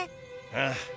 ああ。